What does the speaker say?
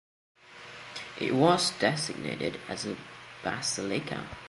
It was designated as a basilica.